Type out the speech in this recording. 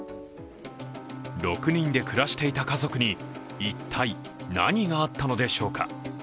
６人で暮らしていた家族に一体何があったのでしょうか。